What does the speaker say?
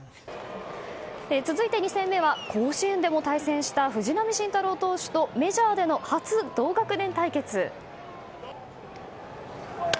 続いて２戦目は甲子園でも対戦した藤浪晋太郎投手とメジャーでの初同学年対決。